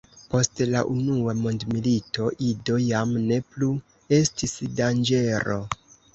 Post la unua mondmilito Ido jam ne plu estis danĝero.